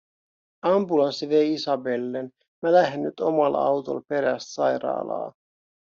“Ambulanssi vei Isabellen, mä lähen nyt omal autol peräst sairaalaa.